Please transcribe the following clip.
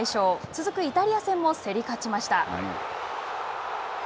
続くイタリア戦も競り勝ちました。